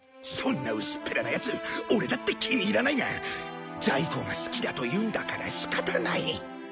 そんな薄っぺらなヤツオレだって気に入らないがジャイ子が好きだと言うんだから仕方ない。